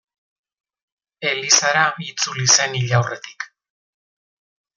Elizara itzuli zen hil aurretik.